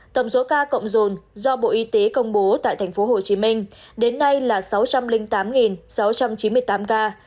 tổng số ca cộng rồn do bộ y tế công bố tại tp hcm đến nay là sáu trăm linh tám sáu trăm chín mươi tám ca